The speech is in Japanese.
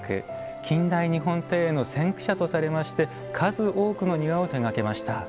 近代日本庭園の先駆者とされまして数多くの庭を手がけました。